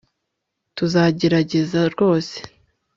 tuzagerageza rwose